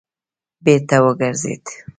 بېرته وګرځېد.